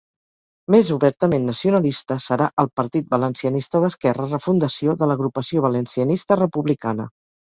Més obertament nacionalista serà el Partit Valencianista d'Esquerra, refundació de l'Agrupació Valencianista Republicana.